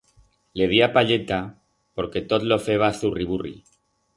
Le die a palleta porque tot lo feba a zurri-burri.